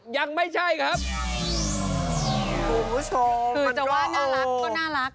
ยังไม่ใช่ครับคุณผู้ชมคือจะว่าน่ารักก็น่ารัก